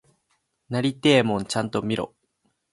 なりてえもんちゃんと見ろ！